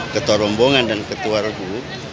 ketua rombongan dan ketua regu